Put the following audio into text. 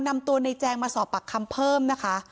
นำตัวในแจงมาสอบปากคำเพิ่มนะคะ